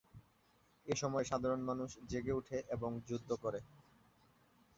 এসময় সাধারণ মানুষ জেগে ওঠে এবং যুদ্ধ করে।